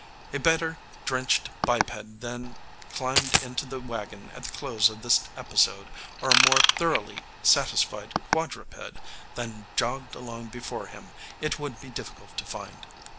A better drenched biped than climbed into the wagon at the close of this episode, or a more thoroughly satisfied quadruped than jogged along before him, it would be difficult to find.